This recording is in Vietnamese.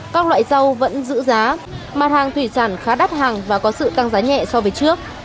các loại rau vẫn giữ giá mặt hàng thủy sản khá đắt hàng và có sự tăng giá nhẹ so với trước